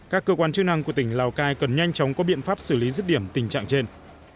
các cơ quan chức năng của tỉnh lào cai cần nhanh chóng có biện pháp xử lý rứt điểm tình trạng trên